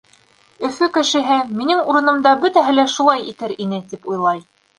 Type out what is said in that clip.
Өфө кешеһе: «Минең урынымда бөтәһе лә шулай итер ине!» — тип уйлай.